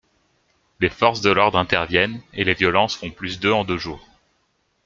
Les forces de l'ordre interviennent et les violences font plus de en deux jours.